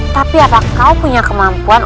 tapi apakah kau punya kemampuan